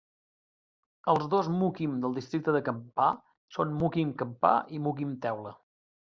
Els dos mukim del districte de Kampar són Mukim Kampar i Mukim Teula.